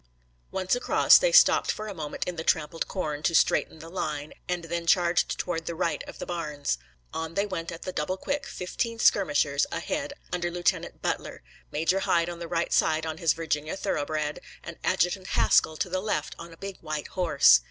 Once across, they stopped for a moment in the trampled corn to straighten the line, and then charged toward the right of the barns. On they went at the double quick, fifteen skirmishers ahead under Lieutenant Butler, Major Hyde on the right on his Virginia thoroughbred, and Adjutant Haskell to the left on a big white horse.